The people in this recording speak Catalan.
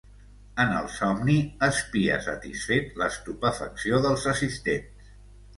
En el somni, espia satisfet l'estupefacció dels assistents.